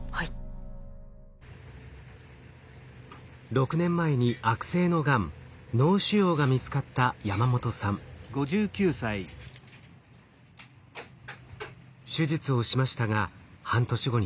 ６年前に悪性のがん脳腫瘍が見つかった手術をしましたが半年後に再発。